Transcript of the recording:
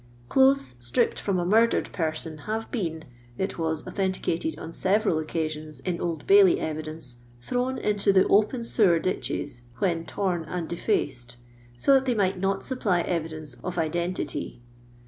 Clothes stripped from a murdered person have been, it was authenticated on several occasions in Old Bailey evidence, thrown into the open sewer ! ditches, when torn and defaced, so that they might not supply evidence of identity.